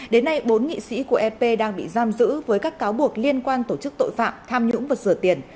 đến nay bốn nghị sĩ của ep đang bị giam giữ với các cáo buộc liên quan tổ chức tội phạm tham nhũng và sửa tiền